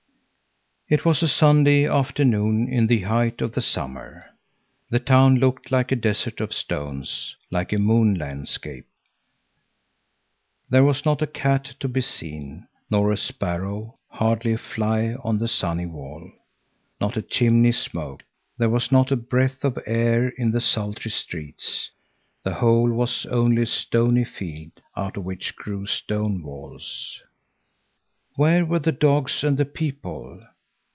It was a Sunday afternoon in the height of the summer. The town looked like a desert of stones, like a moon landscape. There was not a cat to be seen, nor a sparrow, hardly a fly on the sunny wall. Not a chimney smoked. There was not a breath of air in the sultry streets. The whole was only a stony field, out of which grew stone walls. Where were the dogs and the people?